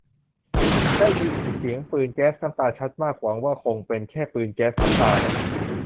ได้ยินเสียงปืนแก๊สน้ำตาชัดมาก หวังว่าคงเป็นแค่ปีนแก๊สน้ำตานะ